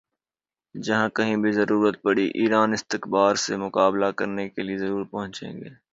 جہاں کہیں بھی ضرورت پڑی ایران استکبار سے مقابلہ کرنے کے لئے ضرور پہنچے گا